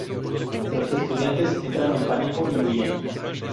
Los estudiantes entran en pánico y huyen.